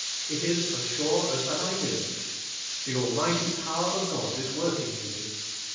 It is as sure as that I live. The almighty power of God is working in me.